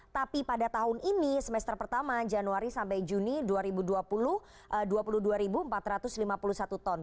tapi pada tahun ini semester pertama januari sampai juni dua ribu dua puluh dua puluh dua empat ratus lima puluh satu ton